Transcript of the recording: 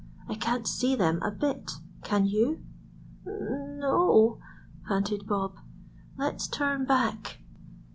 I can't see them a bit; can you?" "N n no," panted Bob. "Let's turn back."